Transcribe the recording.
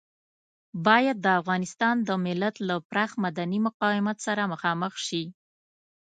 بايد د افغانستان د ملت له پراخ مدني مقاومت سره مخامخ شي.